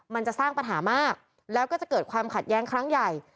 มันจะสร้างปัญหามากแล้วก็จะเกิดความขัดแย้งครั้งใหญ่